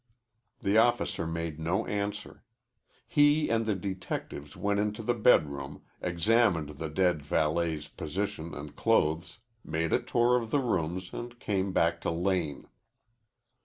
The officer made no answer. He and the detectives went into the bedroom, examined the dead valet's position and clothes, made a tour of the rooms, and came back to Lane.